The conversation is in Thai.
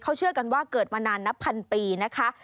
เขาเชื่อกันว่าเกิดมานานนับพันปีนะคะ